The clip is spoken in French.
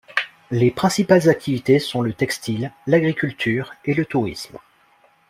Les principales activités sont le textile, l'agriculture et le tourisme.